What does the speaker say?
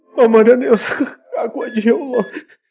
mama dan elsa aku aja ya allah